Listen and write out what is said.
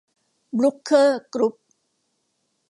บรุ๊คเคอร์ กรุ๊ป